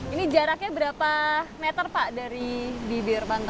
ini jaraknya berapa meter pak dari bibir pantai